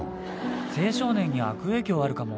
青少年に悪影響あるかも。